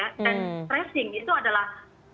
dan tracing itu adalah